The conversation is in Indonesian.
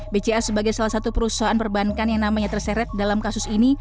bca sebagai salah satu perusahaan perbankan yang namanya terseret dalam kasus ini